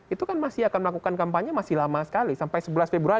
itu kan masih akan melakukan kampanye masih lama sekali sampai sebelas februari